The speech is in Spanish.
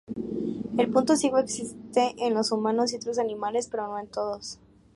El punto ciego existe en los humanos y otros animales, pero no en todos.